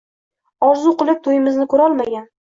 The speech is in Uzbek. Orzu qilib tuyimizni kurolmagan